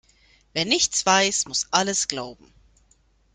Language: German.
Wer nichts weiß, muss alles glauben.